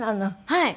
はい。